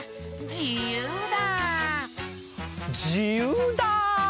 じゆうだ！